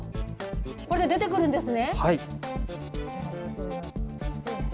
これで出てくるんですね。